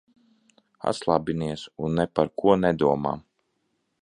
Atslābinies un ne par ko nedomā.